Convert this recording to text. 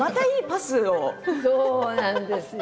そうなんですね。